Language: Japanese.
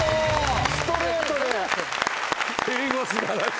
ストレートで！